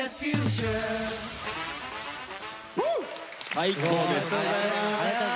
最高です。